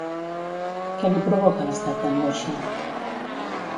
Què li provoca l'estat d'angoixa?